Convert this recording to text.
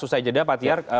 susah jeda pak tiar